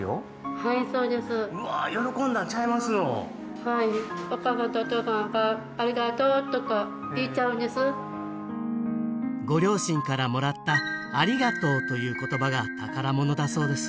はいそうですはいご両親からもらったありがとうという言葉が宝物だそうです